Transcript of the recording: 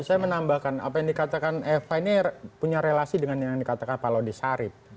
saya menambahkan apa yang dikatakan eva ini punya relasi dengan yang dikatakan pak lodi sarip